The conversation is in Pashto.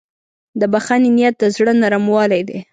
د بښنې نیت د زړه نرموالی دی.